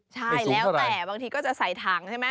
ใช่แล้วแต่บางทีก็จะใส่ถังใช่ไหม